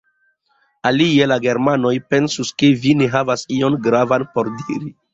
Alie la germanoj pensus ke vi ne havas ion gravan por diri!